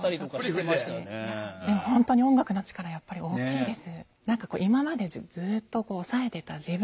でも本当に音楽の力はやっぱり大きいです。